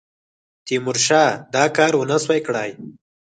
تیمورشاه دا کار ونه سو کړای.